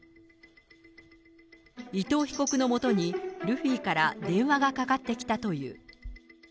伊藤被告のもとに、ルフィから電話がかかってきたという。